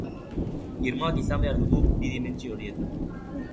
Irmoak izan behar dugu bi dimentsio horietan.